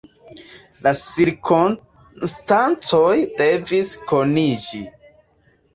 La cirkonstancoj devis kuniĝi.